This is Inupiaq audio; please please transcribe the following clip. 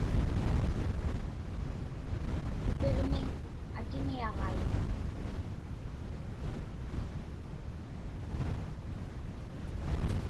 Tupiġmi atiniaġait.